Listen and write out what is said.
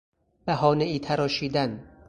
بهانهای تراشیدن